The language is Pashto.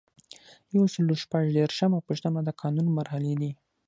یو سل او شپږ دیرشمه پوښتنه د قانون مرحلې دي.